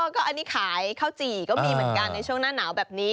ก็อันนี้ขายข้าวจี่ก็มีเหมือนกันในช่วงหน้าหนาวแบบนี้